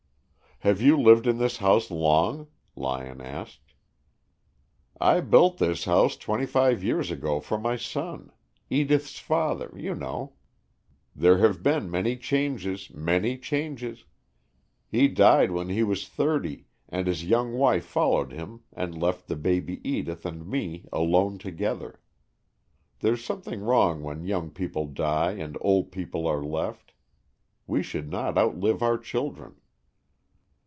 "Have you lived in this house long?" Lyon asked. "I built this house twenty five years ago for my son, Edith's father, you know. There have been many changes, many changes. He died when he was thirty, and his young wife followed him and left the baby Edith and me alone together. There's something wrong when young people die and old people are left. We should not outlive our children."